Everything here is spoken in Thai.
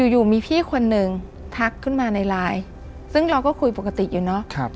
อยู่มีพี่คนหนึ่งทักขึ้นมาในไลน์ซึ่งเราก็คุยปกติอยู่เนาะ